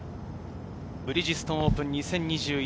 ブリヂストンオープン２０２１。